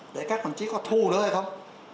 để các phòng chí có thu nữa hay không